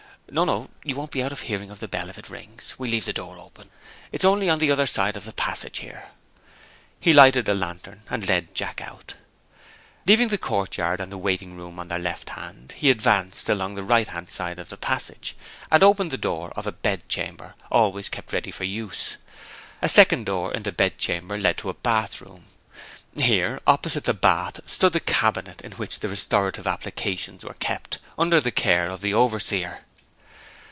No! no! you won't be out of hearing of the bell if it rings. We'll leave the door open. It's only on the other side of the passage here." He lighted a lantern, and led Jack out. Leaving the courtyard and the waiting room on their left hand, he advanced along the right hand side of the passage, and opened the door of a bed chamber, always kept ready for use. A second door in the bed chamber led to a bath room. Here, opposite the bath, stood the cabinet in which the restorative applications were kept, under the care of the overseer.